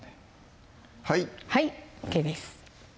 はいはいＯＫです